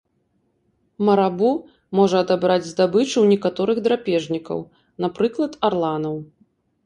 Марабу можа адабраць здабычу ў некаторых драпежнікаў, напрыклад, арланаў.